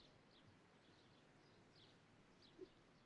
After losing Yates, Jack evades capture and escapes with Chloe.